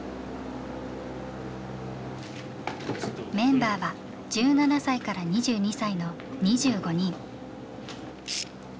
メンバーは１７歳から２２歳の２５人。